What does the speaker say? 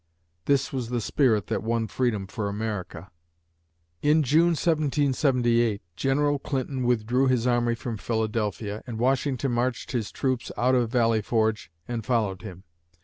This was the spirit that won freedom for America. In June (1778), General Clinton withdrew his army from Philadelphia and Washington marched his troops out of Valley Forge and followed him.